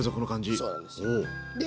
そうなんですよ。